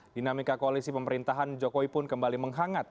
dinamika koalisi pemerintahan jokowi pun kembali menghangat